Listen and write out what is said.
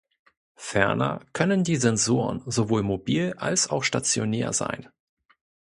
Ferner können die Sensoren sowohl mobil als auch stationär sein.